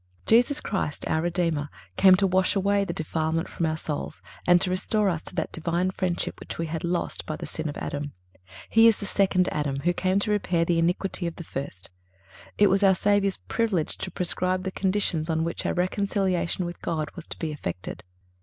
(336) Jesus Christ, our Redeemer, came to wash away the defilement from our souls and to restore us to that Divine friendship which we had lost by the sin of Adam. He is the second Adam, who came to repair the iniquity of the first. It was our Savior's privilege to prescribe the conditions on which our reconciliation with God was to be effected.